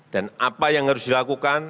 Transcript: apa yang harus dilakukan